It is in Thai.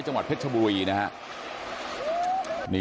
จังหวัดเพชรชบุรีนะครับ